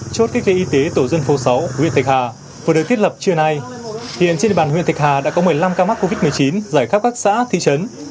chốt cách gây y tế tổ dân phố sáu huyện thạch hà vừa được thiết lập trưa nay hiện trên địa bàn huyện thạch hà đã có một mươi năm ca mắc covid một mươi chín giải khắp các xã thị trấn